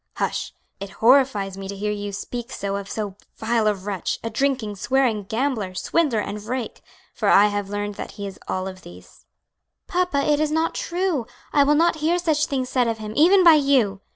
"Hush! it horrifies me to hear you speak so of so vile a wretch, a drinking, swearing gambler, swindler, and rake; for I have learned that he is all these." "Papa, it is not true! I will not hear such things said of him, even by you!"